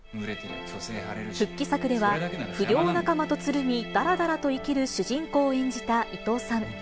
復帰作では、不良仲間とつるみ、だらだらと生きる主人公を演じた伊藤さん。